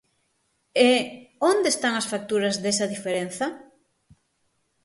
E ¿onde están as facturas desa diferenza?